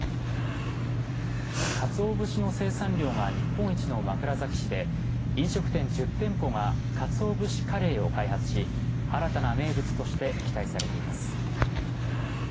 かつお節の生産量が日本一の枕崎市で飲食店１０店舗が勝男武士カレーを開発し新たな名物として期待されています。